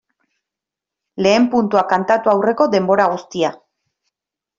Lehen puntua kantatu aurreko denbora guztia.